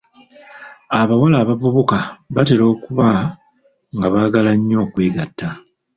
Abawala abavubuka batera okuba nga baagala nnyo okwegatta.